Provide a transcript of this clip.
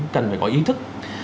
cần phải có ý thức